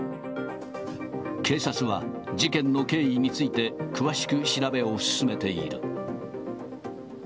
警察は、事件の経緯について詳しく調べを進めている。